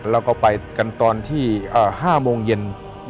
เราก็ไปกันตอนที่ห้าโมงเย็น